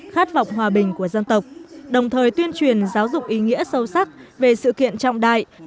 khát vọng hòa bình của dân tộc đồng thời tuyên truyền giáo dục ý nghĩa sâu sắc về sự kiện trọng đại